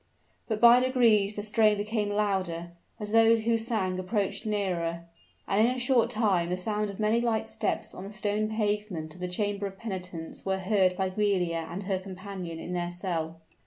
But by degrees the strain became louder, as those who sang approached nearer; and in a short time the sound of many light steps on the stone pavement of the chamber of penitence were heard by Giulia and her companion in their cell.